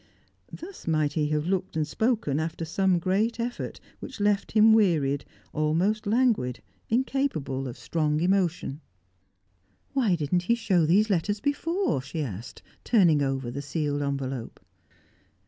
Thus might he have looked and spoken after some great effort, which left him wearied, almost languid, incapable of strong emotion. "Why didn't he show these letters before?" she asked, turning over the sealed envelope.